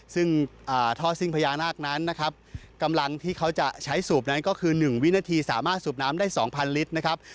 ซึ่งท่อซิ่งพญานาคนั้นนะครับกำลังที่เขาจะใช้สูบนั้นก็คือ๑วินาทีสามารถสูบน้ำได้๒๐๐ลิตรนะครับ